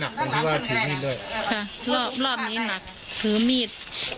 ค่ะรอบนี้หนักถือมีด